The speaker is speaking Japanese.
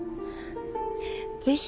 ぜひ！